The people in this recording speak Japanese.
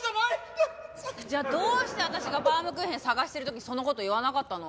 じゃあどうして私がバウムクーヘン探してる時その事言わなかったの？